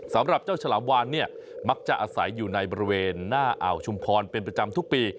สำหรับเจ้าฉลามวานเนี่ยมักจะอาศัยอยู่ในบริเวณหน้าอ่าวชุมพรเป็นประจำทุกปี